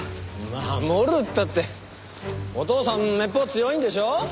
守るったってお父さんめっぽう強いんでしょ？